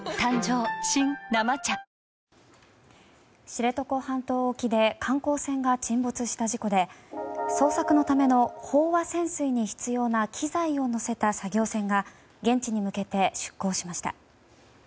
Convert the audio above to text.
知床半島沖で観光船が沈没した事故で捜索のための飽和潜水に必要な機材を載せた作業船が現地に向けて出港しました。